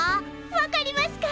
分かりますか？